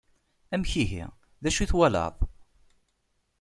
Amek ihi, d acu twalaḍ?